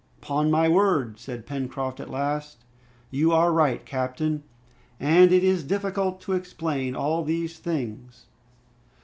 "'Pon my word," said Pencroft at last, "you are right, captain, and it is difficult to explain all these things!"